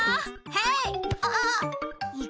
はい。